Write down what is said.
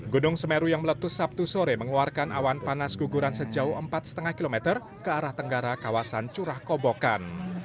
gunung semeru yang meletus sabtu sore mengeluarkan awan panas guguran sejauh empat lima km ke arah tenggara kawasan curah kobokan